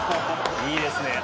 いいですね。